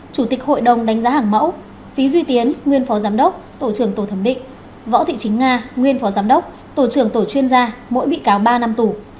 chủ tịch hội đồng đánh giá hàng mẫu phí duy tiến nguyên phó giám đốc tổ trưởng tổ thẩm định võ thị chính nga nguyên phó giám đốc tổ trưởng tổ chuyên gia mỗi bị cáo ba năm tù